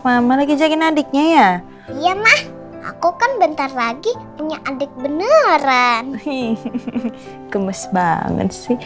mama lagi jagain adiknya ya mah aku kan bentar lagi punya adik beneran gemes banget sih